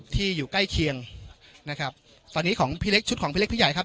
อยู่ใกล้เคียงนะครับตอนนี้ของพี่เล็กชุดของพี่เล็กพี่ใหญ่ครับ